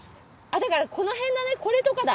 だからこの辺だねこれとかだ。